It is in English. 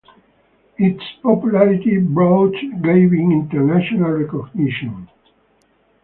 Its popularity brought Gabin international recognition.